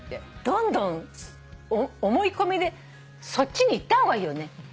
どんどん思い込みでそっちにいった方がいいよね。